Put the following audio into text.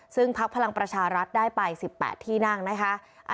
ซึ่งพักพลังประชารัฐได้ไป๑๘ที่นั่งนะคะ